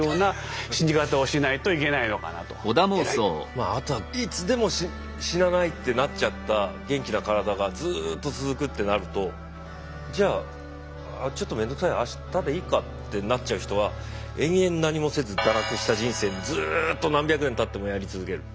まああとはいつでも死なないってなっちゃった元気な体がずっと続くってなるとじゃあちょっと面倒くさいあしたでいいかってなっちゃう人は延々何もせず堕落した人生にずっと何百年たってもやり続ける。